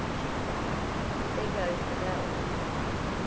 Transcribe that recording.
she cried, "there goes the bell!"